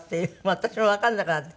私もわからなくなって。